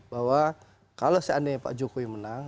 bahwa kalau seandainya pak jokowi menang